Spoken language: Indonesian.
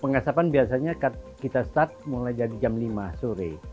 pengasapan biasanya kita start mulai dari jam lima sore